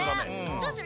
どうする？